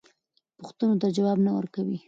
پوښتنو ته ځواب نه ورکوي.